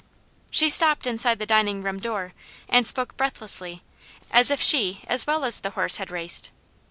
She stopped inside the dining room door and spoke breathlessly, as if she as well as the horse had raced.